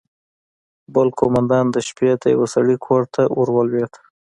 بل قومندان د شپې د يوه سړي کور ته ورولوېد.